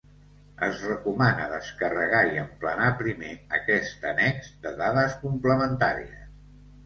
Es recomana descarregar i emplenar primer aquest annex de dades complementàries.